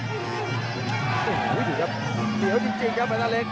อุ๊ยหู๊ยครับเตียวจริงจริงครับแฟนต้าเล็ก